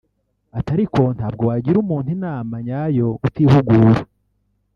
ariko ntabwo wagira umuntu inama nyayo utihugura